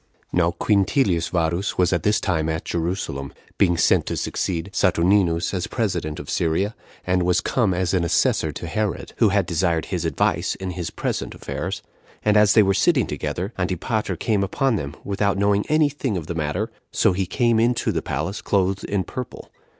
2. Now Quintilius Varus was at this time at Jerusalem, being sent to succeed Saturninus as president of Syria, and was come as an assessor to Herod, who had desired his advice in his present affairs; and as they were sitting together, Antipater came upon them, without knowing any thing of the matter; so he came into the palace clothed in purple.